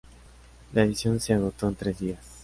La edición se agotó en tres días.